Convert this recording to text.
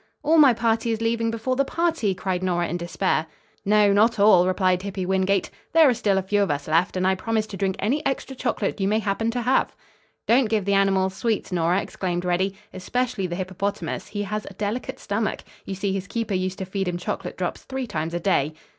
"All my party is leaving before the party," cried Nora in despair. "No, not all," replied Hippy Wingate. "There are still a few of us left, and I promise to drink any extra chocolate you may happen to have." "Don't give the animals sweets, Nora," exclaimed Reddy. "Especially the hippopotamus. He has a delicate stomach. You see, his keeper used to feed him chocolate drops three times a day."